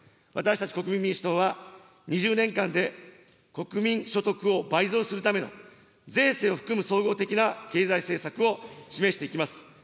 私たち、国民民主党は２０年間で国民所得を倍増するための税制を含む総合的な経済政策を示していきます。